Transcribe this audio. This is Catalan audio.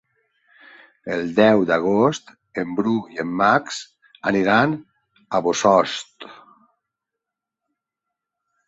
El deu d'agost en Bru i en Max aniran a Bossòst.